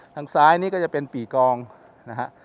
ทางซ้ายนี่ก็จะเป็นปีกองนะฮะ